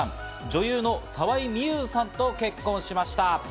女優の沢井美優さんと結婚しました。